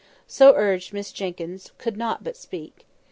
So urged Miss Jenkyns could not but speak.